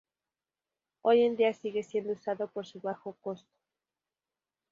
Hoy en día sigue siendo usado por su bajo costo.